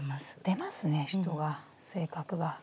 出ますね人が性格が。